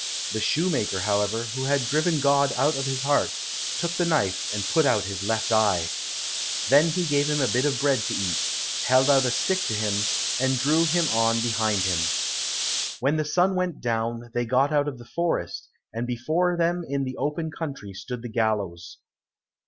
The shoemaker, however, who had driven God out of his heart, took the knife and put out his left eye. Then he gave him a bit of bread to eat, held out a stick to him, and drew him on behind him. When the sun went down, they got out of the forest, and before them in the open country stood the gallows.